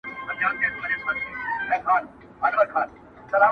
پردو زموږ په مټو یووړ تر منزله،